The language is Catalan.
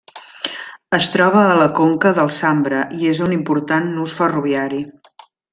Es troba a la conca del Sambre i és un important nus ferroviari.